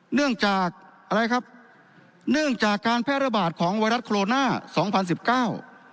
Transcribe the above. เนื่องจากอะไรครับเนื่องจากการแพร่ระบาดของไวรัสโคโรนาสองพันสิบเก้า